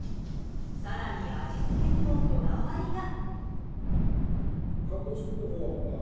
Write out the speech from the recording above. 更に、味付けにもこだわりが。